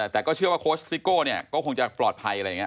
แต่ก็เชื่อว่าโค้ชซิโก้เนี่ยก็คงจะปลอดภัยอะไรอย่างนี้